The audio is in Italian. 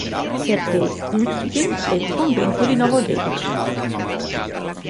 S. Puškin e il convento di Novodevičij.